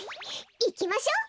いきましょう。